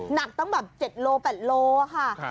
หนักต้องแบบ๗๘โลกรัมค่ะ